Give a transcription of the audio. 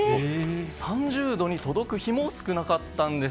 ３０度に届く日も少なかったんです。